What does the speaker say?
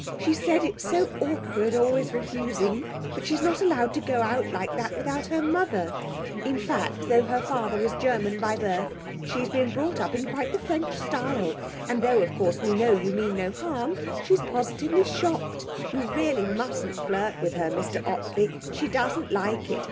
She said it's so awkward always refusing, but she's not allowed to go out like that without her mother. In fact, though her father is German by birth, she's been brought up quite in the French style. And though, of course, we know you meant no harm, she's positively shocked. You really mustn't flirt with her, Mr Ottley. She doesn't like it.